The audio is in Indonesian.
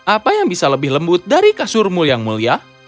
apa yang bisa lebih lembut dari kasurmu yang mulia